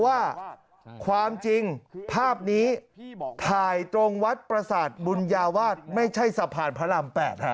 ว่าความจริงภาพนี้ถ่ายตรงวัดประสาทบุญญาวาสไม่ใช่สะพานพระราม๘